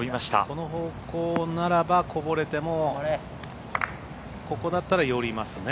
この方向ならばこぼれてもここだったら寄りますね。